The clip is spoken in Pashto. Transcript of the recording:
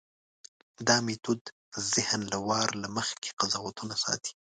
دا میتود ذهن له وار له مخکې قضاوتونو ساتي.